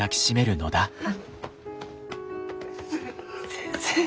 先生。